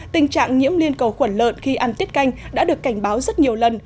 tình trạng nhiễm liên cầu khuẩn lợn khi ăn tiết canh đã được cảnh báo rất nhiều lần